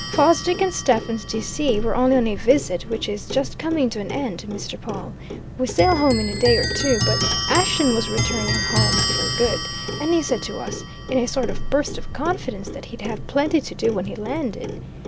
Fosdick and Stephens, d'ye see, were only on a visit, which is just coming to an end, Mr. Pawle; we sail home in a day or two, but Ashton was turning home for good. And he said to us, in a sort of burst of confidence, that he'd have plenty to do when he landed.